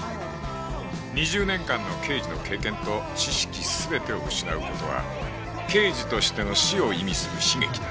２０年間の刑事の経験と知識全てを失う事は刑事としての死を意味する悲劇だ